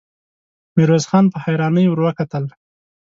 ميرويس خان په حيرانۍ ورته وکتل.